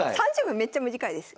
３０秒めっちゃ短いです。